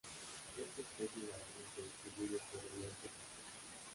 Esta especie de araña se distribuye por el este de África.